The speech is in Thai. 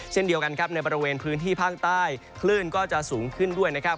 เช่นเดียวกันครับในบริเวณพื้นที่ภาคใต้คลื่นก็จะสูงขึ้นด้วยนะครับ